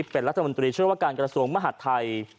เป็นรัฐมนตรีเชื่อว่าการกระทรวงมหัฒน์ไทย